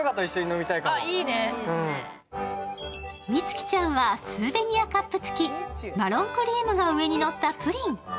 美月ちゃんはスーベニアカップ付き、マロンクリームが上にのったプリン。